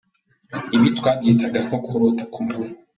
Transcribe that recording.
Ibi twabyitaga nko kurota ku manywa.